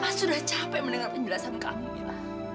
mama sudah capek mendengar penjelasan kami mila